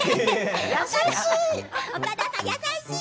優しい。